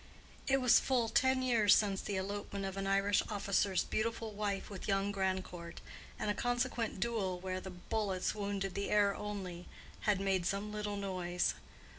It was full ten years since the elopement of an Irish officer's beautiful wife with young Grandcourt, and a consequent duel where the bullets wounded the air only, had made some little noise.